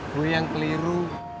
lu yang keliru